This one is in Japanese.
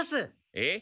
えっ？